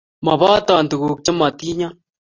Moboton tukuk che motinyon